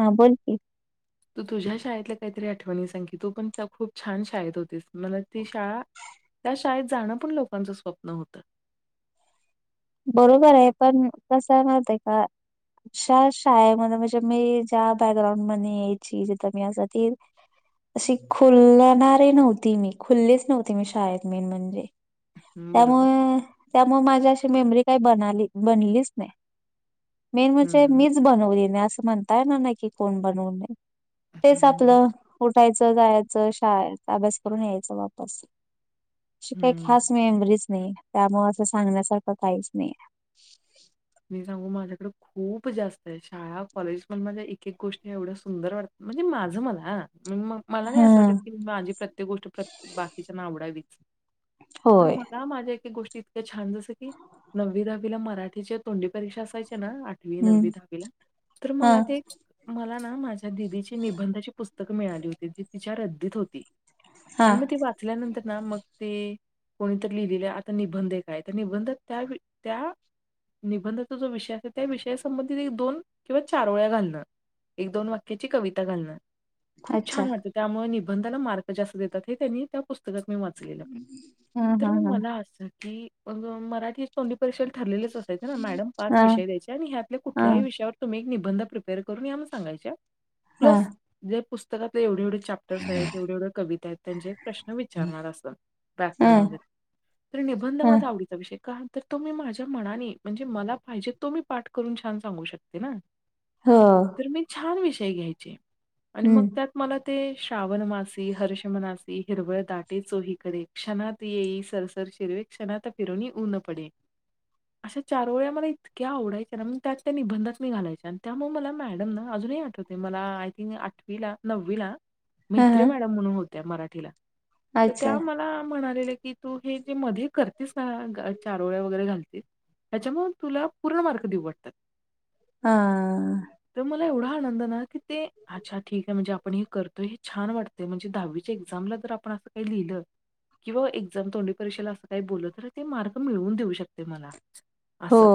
हा बोलकी- तु तुझ्या शाळेतल्या काहीतरी आठवणी सांग की तु पण खुप छान शाळेत होतीस म्हला ती शाळा त्या शाळेत जाणं पण लोकांचं स्वप्न होतं- बरोबर आहे पण कस मत आहे का अशा शाळे आहे म्हला म्हणजे मी ज्या बॅकग्राउंड मध्ये यायची जिथ मी असा त अशी खुलणारे नव्हती मी खुलीच नव्हती मी शाळेत मेन म्हणजे हं, बरोबर. त्यामुळे त्यामुळे माझी अशी मेमरी काही बली बनलीच नाही मेन म्हणजे हं, मीच बनवली नाही असं म्हणताय ना नाही की कोण बनवणे तेच हं, आपलं उठायचं जायचं शाळा अभ्यास करून यायचं वापस अशी काही हं. खास मेमरीच नाही त्यामुळे असं सांगण्यासाठी पतायच नाही मी सांगू माझ्याकडे खूप जास्त आहे शाळा कॉलेज पण माझ्या एक एक गोष्टी एवढ्या सुंदर वाटतात म्हणजे माझं मला म मला नाही असं वाटत हां. की माझी प्रत्येक गोष्ट प्रत्येक बाकीच्याना आवडावी पण होय. मला माझ्या एक गोष्टी इतक्या छान जसं की नववी दहावीला मराठीच्या तोंडी परीक्षा असायची ना आठवी हं, नववी दहावीला तर हां. मला ते मला ना माझ दिदीची निबंधाची पुस्तक मिळाली होती जी तिच्या रद्दीत होती हा आणि मग ते वाचल्यानंतर ना मग ते कोणीतरी लिहिलेलं आता निबंध काय तर निबंध त्या त्या निबंधाचा जो विषय अस त्या विषयासंबंधी एक दोन किंवा चार वळ्या घालणं एक दोन वाक्याची कविता घालणं खूप अच्छा. छान वाटतं त्यामुळे निबंधाला मार्क जास्त देतात हे त्यांनी त्या पुस्तक मी वाचलेलं हा तर हा म हा. मला असं की मराठी तोंडी परिषदेत ठरलेलीच ना मॅडम पाच हा विषय द्यायचे आणि हा ह्यातल्याुठल्याही विषयावर तुम्ही एक निबंध प्रिपेअर करून या मग सांगायच्या हा प्लस जे पुस्तकातलं एवढे एवढे चॅप्टर्स आहेत एवढे एवढ कविता आहेत त्यांचे एक प्रश्न विचारणार असतात हा व्याकरण वगैरे तररी निबंध हा माझा आवडीचा विषय काय तर तो मी माझ्या मनाने म्हणजे मला पाहिजे तो मी पाठ करून छान सांगू शकते ना हो तर मी छान विषय घ्यायचे आणि मग हम्म. त्यात मला ते श्रावण मासी हर्ष मनासी हिरवळ दाटे चोही करडे क्षणात येई सरसत शेर्वे क्षणाात फिरोणी ऊ न पडे अशा चार वळ्या मला इतक्या आवडायच्या ना मग त्या निबंधात मी घालायच्या आणि त्यामुळे मला मॅडम न अजूनही आठवत मला आय थंक आठवी ला नववी ला हा हा म्हेत्र मॅडम म्हणून होत्या मराठीला तर अच्छा त्या मला म्हणाल्या की तू हे जे मध्ये करतेस ना चारोळ वगैरे घालतीस हच्यामुून तुला पूर्ण मार्क देऊ वाटतात हा तर मला एवढा आनचा ठीक म्हणे आपण हे करतोय हे छान वाटतंय म्हणजे दहावीच्या एक्झामला जर आपण असं काही लिहिलं किंवा एक्झाम तोंडी परीक्षेला असं काही बोललं तर ते मार्क मिळवून देऊ शकते मला हो. असं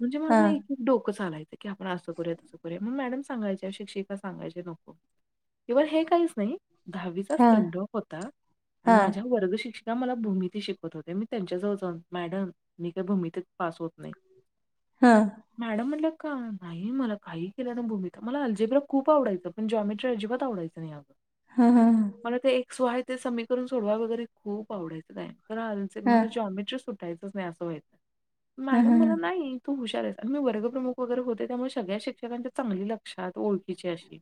म्हणजे हा माझं एक डोकंच आलायच की आपण असं करूया तं करूया मग मॅडम सांगायचे शिक्षिका सांगायचे नको कि हे काहीच नाही दहावीचा हा स्पेंडॉप होता हा माझ्या वर्ग शिक्ष का मला भूमिती शिकत होते मी त्यांच्या जवळण मॅडम मी का भूमतीत पास होत नाही हा हा मॅडम म्हटलं का नाही मला काही केलं ना भूमीती मला अलजेबला खूप आवडायचं जॉमेटर अजिबात आवडायचं नाही अ हा मला ते सोय ते समीकर सडवा वगैरे खूप आवडायं हा. काय जॉमेटट ा नाही अस्हाय हा मॅडम हा मला नाही तू हुशार आणि मी वर्गप्रमुख वगैरे होते त्यामुळे सगळ्या शिक्षकांच्या चांगली लक्षात ओळखीची अशी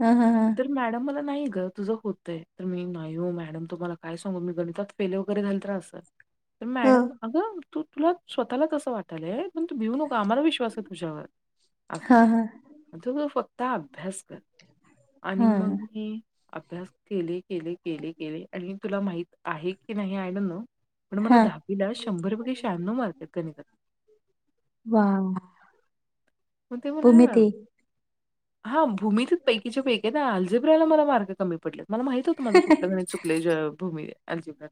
हा हा हा तर मॅडम मला नाही तुझं होतंय तर मी नाही हो मॅडम तुम्हाला काय सांगू मी गणितात फेले वगैरे झाल तर असल तर हो मॅडम अगं तू तुला स्वतःला कसं वाटलय पण तू भिऊ नको आम्हाला विश्वास आहे तुझ्यावर हा असं हा ज फक्त अभ्यास कर आणि हा मग मी अभ्यास केले केले केले केले आणि तुला माहित आहे की नाही आय डोन्ट नो पण मला हा. दहावीला शंभर पैे शहानव मार्क आहेत गणितात. वा हो ते बोला ना भूमिती हा भूमितीच्या पैकीचे पैक आहे ना अल्जेब्रा अजिब्रला मला मार्ग कमी पडलेत मला माहित होतं माझं कुठलं गणीत चुकले भूमी अलजिब्र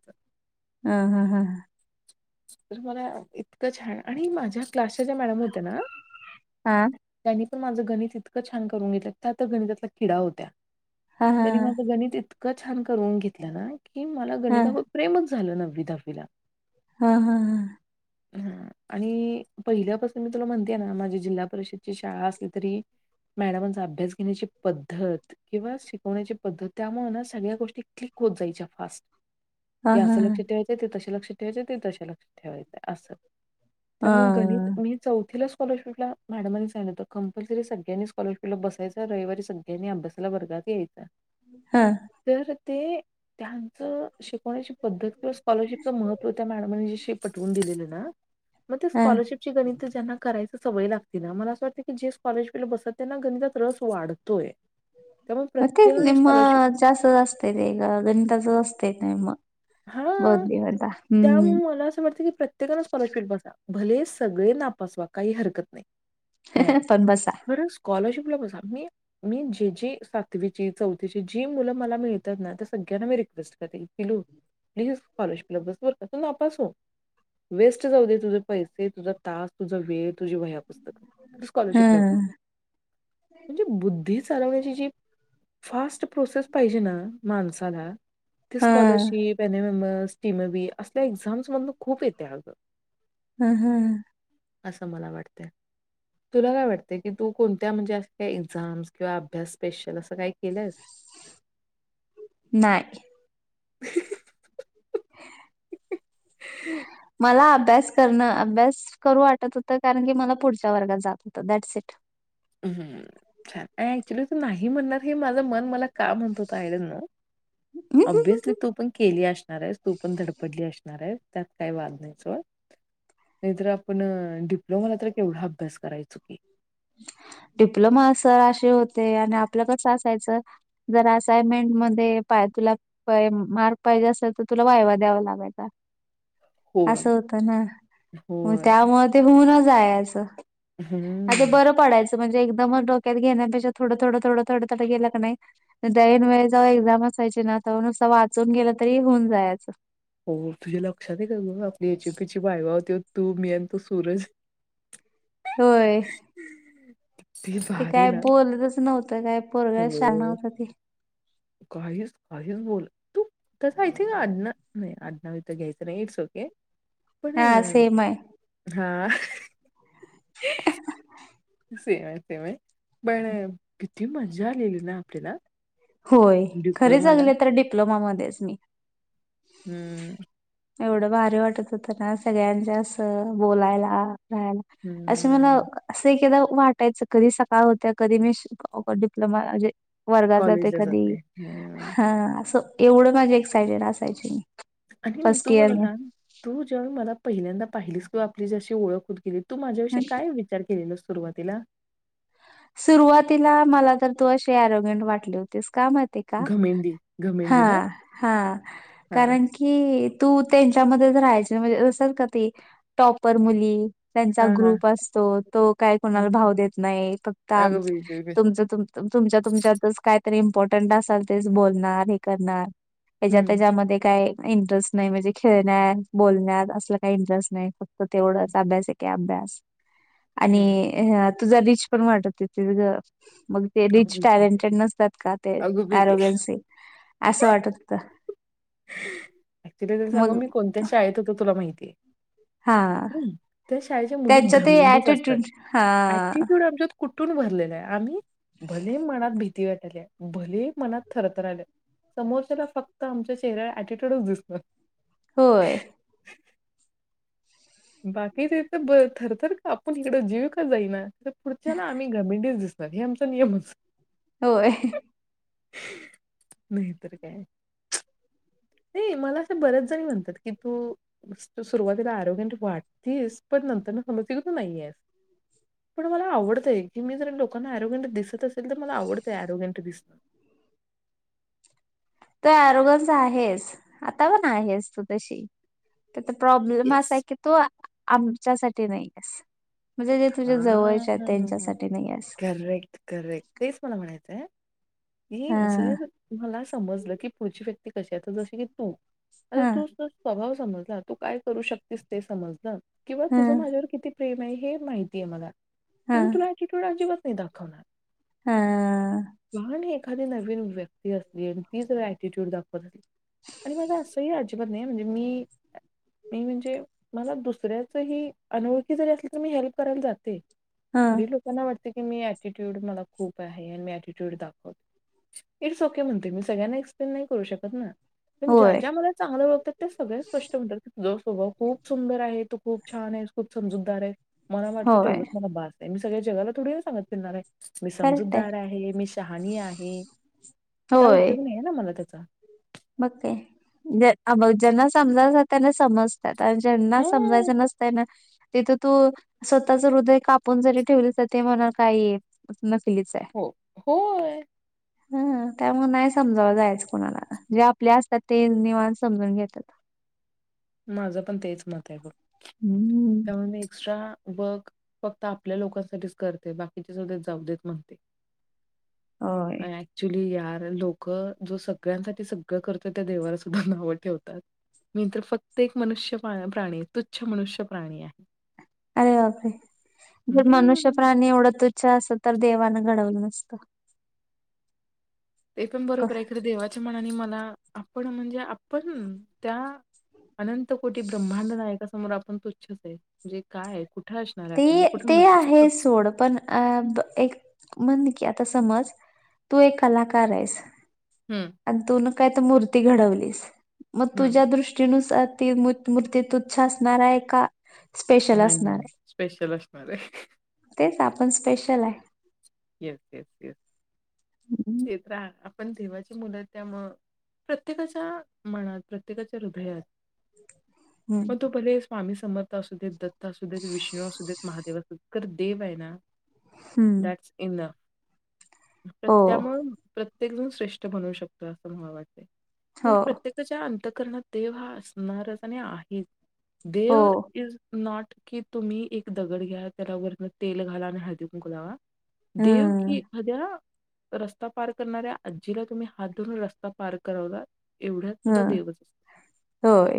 हा हा हा ह तर मला इतकं छान आणि माझ्या क्लासच्या ज्या मॅडम होत्या ना हां पण त्यांनी माझं गणित इतकं छान करून घेतलं त्या आ गणितातला किडा होत्या हा त्यांनी माझं गणित इ इतकं छान करून घेतलं ना की मला ह ह. गणिता प्रेमच झालं नववी दहावीला हा हम् हम हा आणि पहिल्यापासून मी तुला म्हणतेय ना माझी जिल्हा परिषदची शाळा असली तरी मॅडमांचा अभ्यास घेण्याची पद्धत किंवा शिकवण्याची पद्धत त्यामुळे सगळ्या गोष्टी क्लिक होत जायच्या फास्ट हा हा या हा असं लक्ष ठेवायचं ते तसे लक्ष ठेवायचे ते तसे लक्षात ठेवायचे अस त्यामुळे गणित मी चौथीला स्कॉलरशिपला मॅडमांनी सांगत कंपलसरी सगळ्यांनी स् कॉलरशिपला बसायचा रविवारी सगळ्यांनी अभ्यासाला वर्गात यायचा हा ते त्यांच शिकवण्याची पद्धती कि स्कॉलरशिपच महत्त्व त्या मॅडम ना पटवून दिलेले ना मग ते ह स्कॉलरशिप चे गणित करायची सवय लागते तिला मला असं वाटतं की स्कॉलरशिप ला त्यांना गणितात रस वाढते म निम स्कॉलरशिप जास्त गणिताचे असते हा बौद्धी होता त्यामुळे हम्म मला असं वाटतं की प्रत्येकानच स्कॉलरशिपबसा भले सगळे नापासवा काही हरकत नाही काय पण बसा खरं स्कॉलरशिप मी जे जी सातवी चौथची जी मुले मला मिळतात ना सगळ्यांना रिक्वेस्ट पिल्लू प्लीज स्कॉलरशिप ला बस तू नापास होऊ वेस्ट जाऊ दे तुझे पैसे तुझा तास तुझा वेळ तुझी वया पुुस्तकं स्कॉलरशिप ला हं म्हणजे बुद्धी चालवण्याची जी फास्ट प्रोसेस पाहिजे ना माणसाला ते हं स्कॉलरशिप एमीमी असल्या एक्झाम्स मधून खूप येते अग हम्म हम् असं मला वाटतें तुला काय वाटतंय की तू कोणत्या म्हणजे अस काही एक्झाम्स किंवा अभ्यास स्पेशल असं काही केलंस [unintelligible] नाहीय ह् हम मला अभ्यास करणं अभ्यास करू वाटत होत कारण की मला पुढच्या वर्गात जात होतं दॅट्स इट ह छान ऍक्च्युली तू नाही म्हणणार हे माझं मन मला का म्हणत होतो आय डोन्ट नो ऑब्वियसली तू पण केली असणार आहेस तू पण धडपडली असणार आहे त्यात काही वाद नाही चो नाहीतर आपण डिप्लोमाला तर केवढा अभ्यास करायचो की डिप्लोमा असे होते आणि आपलं कसे असायच जर असनमेंट मध्ये पा तुला मार पाहिजे असेल तर तुला वायवा द्यावा लागायचा होय. असं होत ना मग होय. त्यामुळे ते होऊनच आहे असं अ हम्म. बरंडयचं म्हणजे एक्दाम डोक्यात घेण्यापेक्ष थोडं थोड थोडं थोड थड गेले की ऐनवेळी जाऊ एक्झम असायचे ना तर नुसं वाचून गेलं तरी होऊन जायचं हो तुझी लक्षात आहे का बघ आपली एचपी ची बायबा होती तू मी आणि तो सूरज होय ती ते भारी काय ना. बोलतच नव्हतं काय पोरग शान हो. नव्हत ते काहीच काहीच बोल तू तस आय थिंक आना नाही आडनावी तर घ्यायचं नाही इट्स ओके पण हा सेम आहे हा सेमय सेमय पण किती मजा लल ना आपडेला होय खरे चांगले तर डिप्लोमामध्येध्येच मी हम्म एवढं भारी वाटत होतं ना सगळ्यांच्या अस बोलायला नाही अशी म्हला हम्म. स केदा वाटायच कधी सकाळ होत्या कधी मी डिप्लोमा म्हणजे वर्गात जाते कॉलेजला कधी हं. हा असं एवढं माझे एक्सायटेड असायचे मी आणि फर्स्ट तू इयर मला सांग तू जेवण मला पहिल्यांदा पाहिलीस तू आपली जशी ओळख होत गेली तू माझ्यावियी काय विचार केलेला सुरुवातीला सुरुवातीला मला तर तू अे अरोगं वाटले होतेस कामते का घमेंडी, हा घमेंडी ना? हा हां, कारण की तू त्यांच्यामध्येच राहायच म्हणजे असल का त टॉपर मुली त्यांचा हां, हां. ग्रुप असतो तो काय हं. कोणाला भाव देत नाही फक्त अगं बाई, बाई, बाई! तुमच तुमच्या तुमच्यात का इम्पॉर्टंट असल बणार हे करणार हच्या हं, त्याच्यामध्ये काय इंटरेस्ट नाही म्हणजे खेळण्यात बोलण्यात असलं काही इंटरेस्ट नाही फक्त तेवढंच अभ्यास आहे का अभ्यास हं. आणि तुझा रीच पण वाटत आहे मग ते अगं रिच बाई, बाई, बाई! टॅलेंटेड नसतात का ते अगं बाई, बाई! आरोग्यांचे असं वाटत ऍक्च्युली तला सांग मग मी कोणत्याशी आहेत होत तुला माहितीये हा शाळे त्यांच्या ते मुलीमी ऍटिट्यूड हा असतात्यूड आमच्या कु कुटून भरलेलं आहे आम्ही भले मनात भीती वाटाली आहे भले मनात थरथ राहिले समोरच्याला फक्त आमच्या शचेहऱ्याला ऍटिट्यूडच दिसत होय बाकी तथ ब थरथर का आपण इकडं जीव का जाईना पुढच्या ना आम्ही घमेंडीच दिसणार हे आमचा नियम असतो होय नाही तरर काय नाही मला असे बरेच जणी म्हणतात की तू सुरुवातीला ऍरोग्यंट वाटतेस पण नंतरन समजल कि तू नाहीयेस पण मला आवडतंय की मी जर लोकांना ऍरोग्यंट दिसत असेल तर मला आवडतय ऍरोग्यंट दिसणं [inaudible] तू आरोगंन्स आहेस आता पण आहेस तू तशी त्या तर प्रॉब्लेम असाय येस. की तू -आमच्यासाठी नाहीयेस म्हणजे जे तुझ्या जवळचे आहेत हां. त्यांच्यासाठी नाहीयेस. करेक्ट, हि जर मला समजलं की पुढची व्यक्ती कशी आहे तर जशी की तू आता हा तूच- स्वभाव समजला तू काय करू शकतेस ते समजलं किंवा हा तुझं माझ्यावर किती प्रेम आहे हे माहितीये मला हा म तुला ऍटिट्यूड अजिबात नाही दखवणार हा एखादी नवीन व्यक्ती असली आणि तीच ऍटिट्यूड दाखवत अली आणि माझ असंही अजीबात नाहीये म्हणजे मी मी म्हणजे मला दुसऱ्याच हि अनोळखी जरी असली तर मी हेल्प करायला जाते. हा तरी लोकांना वाटतय की मी ऍटिट्यूड मला खूप आहे आणि मी ऍटिट्यूड दाखवत इट्स ओके म्हणते मी सगळ्यांना एक्सप्लेन नाही करू शकत ना पण ज्या होय -ज्या मला चांगलं ओळखतात ते सगळ्या स्पष्ट म्हणतात जो स्वभाव खूप सुंदर आहे तो खूप छान आहे खूप समजूतदार आहे मला वाटत होय तेवढंच मला भास आहे मी सगळ्या जगाला थोडी सांगत फिरणार आहे मी समजूतदार आहे मी शहानी आहे आहे काय होय उपयोग नाही ना मला त्याचा मग काय ना समजाता त्याना समजत आता ज्यांना हां, समजायचं नसतंय ना तिथं तू स्वतःच हृदय कापून जरी ठेवले तर ते म्हणा काय नसलीच आहे, हो, होय. हं हं त्यामुळ नाही समजावाय जायच कोणाला जे आपले असतात ते निवांत समजून घेत्यात माझं पण तेच मत आहे बघ हम्म त्यामुळे मी एक्स्ट्रा वर्क फक्त आपल्या लोकांसाठीच करते बाकीचे सगळे जाऊ देत म्हणते. होय. अ. ऍक्चुली आर.. लोक जो सगळ्यांसाठी सगळं करतोय त्या देवाला सुद्धा नावं ठेवतात [inaudible] मी तर फक्त एक मनुष्य- प्राणी तुच्छ मनुष्य प्राणी आहे. अरे बापरे! जर मनुष्य हम्म, प्राणी एवढा तुच्छ तुच्छ असल तर देवानं घडवलं नसत. ते पण बरोबर [inaudible] आहे इकडे देवाच्या मनाने मला आपण म्हणजे आपण त्या अनंतकोटी ब्रह्मांडनायका समोर आपण तुच्छच आहे म्हणजे काय कुठ? ते -ते आहे सोड पण अ एक म्हण की आ तर समज तू एक कलाकार आहेस, हं, आणि तुन काय तर मूर्ती घडवलीस मग हं. तुझ्या दृष्टी नुसार ती मूर्ती- तुच्छ असणार आहे का? स्पेशल नाही, असणार नाही. आहे स्पेशल असणार आहे. तेच आपण स्पेशल आहे येस- येस -येस हम्म [unintelligible] पण देवाची मुलं त्यामुळे प्रत्येकाच्या मनात प्रत्येकाच्या हृदयात हम्म. मग तो भले स्वामी समर्थ असू देत, दत्त असू देत, विष्णू असू देत, महादेव असू देत खरं देव आहे ना. हम्म आपला हो प्रत्यामुळ -प्रत्येकजण श्रेष्ठ बनवू शकतो असं मला वाटतं. हो कारण प्रत्येकाच्या अंतकरणात देव हा असणारच आणि आहेच. हो देव इज नॉट कि तुम्ही एक दगड घ्या त्याला वर तेल घाला आणि हळदी कुंकू लावा, देव की हम्म एखाद्या रस्ता पार करणाऱ्या आजीला तुम्ही हात धरून रस्ता पार्क करवला एवढ्या सुद्धा हं देवच असतो होय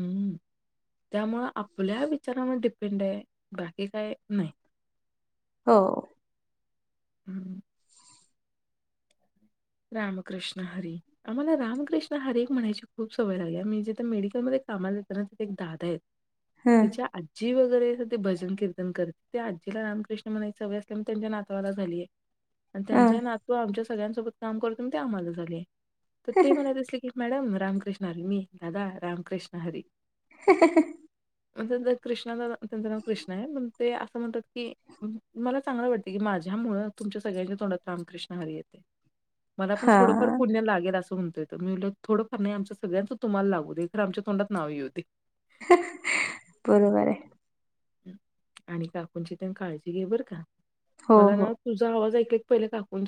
हम्म त्यामुं आपल्या विचारावर डिपेंड आहे बाकी काय नाही हो हम्म रामकृष्ण हरी आम्हाला रामकृष्ण हरी म्हणायची खूप सवय लागली म्हणजे जिथ मेडिकलमध्ये हं [unintelligible] भजन कीर्तन करते त्या आजीला राम कृष्ण हरी म्हणायची सवय आहे म्हणून त्याच्या नातवाला झाली आणि हं त्यांच्या नातू आमच्या सगळ्यांसोबत काम करतो ते आम्हाला झाले तर ते म्हणत असले की मॅडम रामकृष्ण हरी मी दादा रामकृष्ण हरी ह कृष्णाचा त्यांचं नाव कृष्णा आहे पण ते असं म्हणतात की मला चांगलं वाटते की माझ माझ्यामुळे तुमच्या सगळ्यांच्या तोंडात रामकृष्ण हरी येते मला पण थोडंफार हां पुण्य लागेल अस म्हण मी थोडं फार नाही आमच्या सगळ्यांचं तुम्हाला लागू दे आमच्या सगळ्यांच्या तोंडात नाव येऊ दे बरोबर आहे आणि काकूंची तर काळजी घे बरं का हो मला हो. ना तुझा आवाज ऐकू ते पहिलं काकूंचं